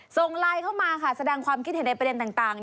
ส่งไลน์เข้ามาค่ะแสดงความคิดเห็นในประเด็นต่าง